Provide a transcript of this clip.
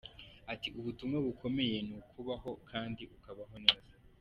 Ati“Ubutumwa bukomeye ni ukubaho kandi ukabaho neza.